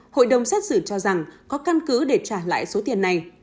hội đồng xét xử cho rằng có căn cứ để trả lại số tiền này